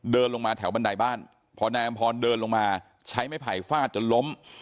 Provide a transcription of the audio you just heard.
เดินลงมาแถวบันไดบ้านพอนายอำพรเดินลงมาใช้ไม้ไผ่ฟาดจนล้ม